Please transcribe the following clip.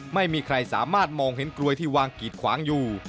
ไม่มีใครสามารถมองเห็นกลวยที่วางกีดขวางอยู่